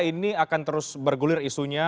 ini akan terus bergulir isunya